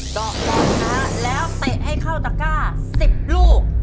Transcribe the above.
ดอกบอลนะฮะแล้วเตะให้เข้าตะก้า๑๐ลูก